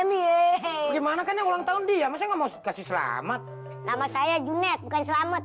nih gimana kan ulang tahun dia masih ngomong kasih selamat nama saya junet bukan selamat